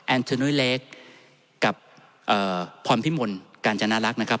แอนโทนี่เล็กกับพรพิมลการจะน่ารักนะครับ